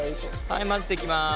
はい混ぜていきます。